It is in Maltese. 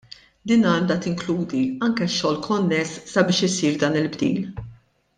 Din għandha tinkludi anke x-xogħol konness sabiex isir dan il-bdil.